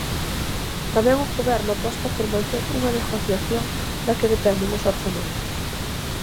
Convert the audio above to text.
Tamén o goberno aposta por manter unha negociación da que dependen os orzamentos.